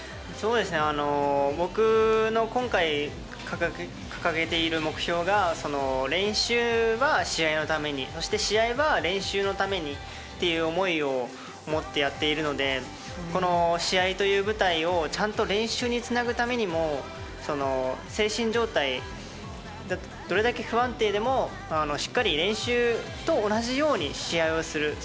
僕の今回、掲げている目標が練習は試合のためにそして試合は練習のためにという思いを持ってやっているのでこの試合という舞台をちゃんと練習につなぐためにも精神状態がどれだけ不安定でもしっかり練習と同じように試合をする。